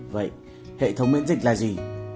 vậy hệ thống miễn dịch là gì